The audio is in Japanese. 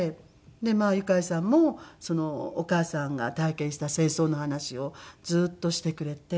でまあユカイさんもお母さんが体験した戦争の話をずっとしてくれて。